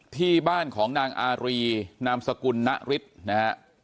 ที่บ้านของนางอารีนามสกุลณฤทธิ์นะฮะ